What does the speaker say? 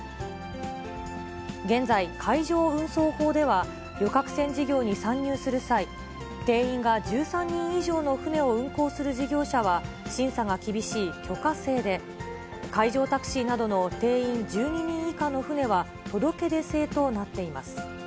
現在、海上運送法では、旅客船事業に参入する際、定員が１３人以上の船を運航する事業者は、審査が厳しい許可制で、海上タクシーなどの定員１２人以下の船は、届け出制となっています。